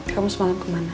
kamu semalam kemana